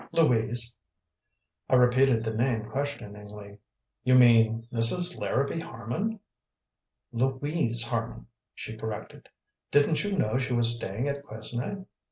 "Louise." I repeated the name questioningly. "You mean Mrs. Larrabee Harman?" "Louise Harman," she corrected. "Didn't you know she was staying at Quesnay?"